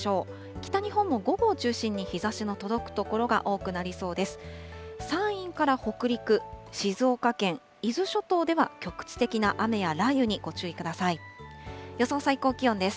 北日本も午後を中心に日ざしの届く所が多くなりそうです。